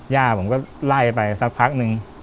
ย่าผมก็ไล่ไปสักพักนึง